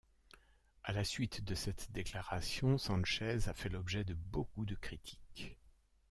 À la suite de cette déclaration, Sánchez a fait l'objet de beaucoup de critiques.